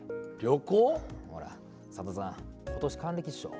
ほら佐田さん、ことし還暦っしょ？